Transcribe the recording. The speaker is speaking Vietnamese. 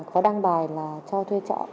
có đăng bài là cho thuê trọ